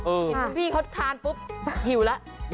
เห็นคุณพี่เขาทานปุ๊บหิวแล้ว